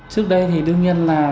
trước đây thì đương nhiên là